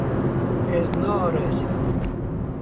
Ez naarêsim.